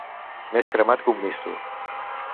Més cremat que un misto.